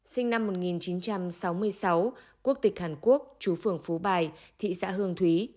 sinh năm một nghìn chín trăm sáu mươi sáu quốc tịch hàn quốc chú phường phú bài thị xã hương thủy